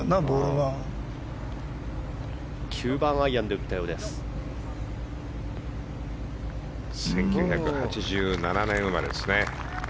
１９８７年生まれですね。